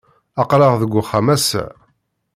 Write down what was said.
Aql-aɣ deg uxxam ass-a.